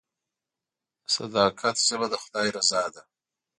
د صداقت ژبه د خدای رضا ده.